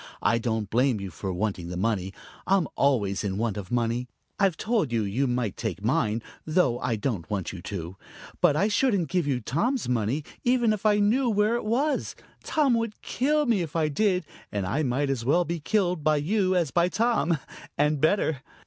I don't blame you for wanting the money. I'm always in want of money. I've told you you might take mine, though I don't want you to. But I shouldn't give you Tom's money, even if I knew where it was. Tom would kill me if I did, and I might as well be killed by you as by Tom and better.